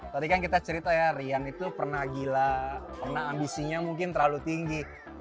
tadi kan kita cerita ya rian itu pernah gila pernah ambisinya mungkin terlalu tinggi